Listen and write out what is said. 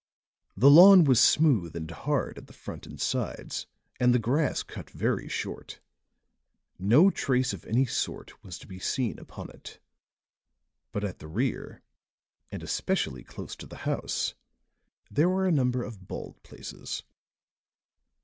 The lawn was smooth and hard at the front and sides and the grass cut very short; no trace of any sort was to be seen upon it; but at the rear, and especially close to the house, there were a number of bald places.